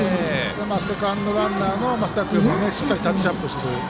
セカンドランナーの増田君もしっかりタッチアップ。